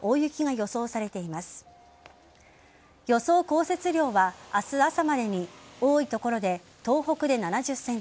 予想降雪量は明日朝までに多い所で東北で７０ｃｍ